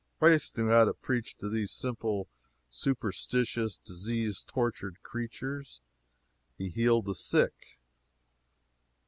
Christ knew how to preach to these simple, superstitious, disease tortured creatures: He healed the sick.